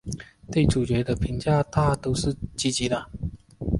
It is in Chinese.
对主角的评价大都是积极的。